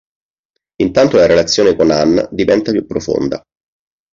Intanto la relazione con Anne diventa più profonda.